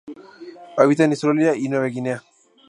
Habita en Australia y Nueva guinea.